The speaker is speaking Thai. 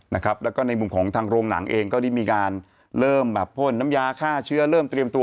แล้วก็ในมุมของทางโรงหนังเองก็ได้มีการเริ่มแบบพ่นน้ำยาฆ่าเชื้อเริ่มเตรียมตัว